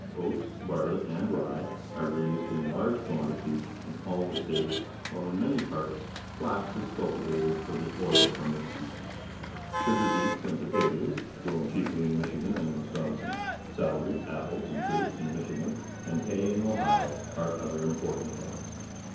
Oats, barley, and rye are raised in large quantities in aU the states, while in many parts fla,x is cultivated for the oil from its seeds, g ugar 132 PUBLIC SCHOOL GEOGRAPHY licets and potatoes, grown chiefly in Michigan and Wisconsin, celery, apples, and grapes in Michigan, and hay in Ohio, are other impor tant crops.